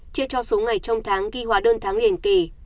chia cho số ngày trong tháng ghi hóa đơn tháng liền kỳ